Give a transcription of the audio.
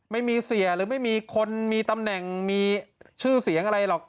ไม่มีเสียหรือไม่มีคนมีตำแหน่งมีชื่อเสียงอะไรหรอก